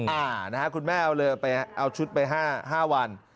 อ่านะฮะคุณแม่เอาชุดไป๕วัน